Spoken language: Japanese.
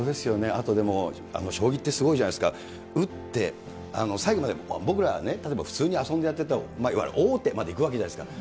あとでも、将棋ってすごいじゃないですか、打って、最後まで、僕らはね、例えば普通に遊んでやってて、王手までいくわけじゃないですか。